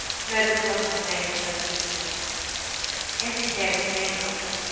Medlicott and a maid were left with her. Every care was taken of her.